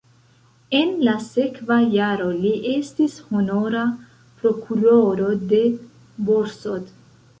En la sekva jaro li estis honora prokuroro de Borsod.